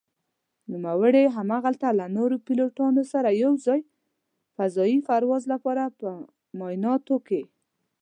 نوموړي هملته له نورو پيلوټانو سره يو ځاى فضايي پرواز لپاره په معايناتو کې